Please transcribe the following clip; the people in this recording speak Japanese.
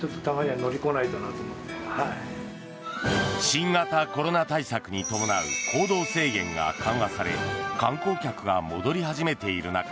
新型コロナ対策に伴う行動制限が緩和され観光客が戻り始めている中